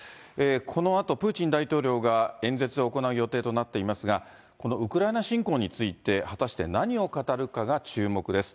このあと、プーチン大統領が演説を行う予定となっていますが、このウクライナ侵攻について、果たして何を語るかが注目です。